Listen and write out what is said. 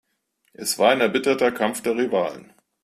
Es war ein erbitterter Kampf der Rivalen.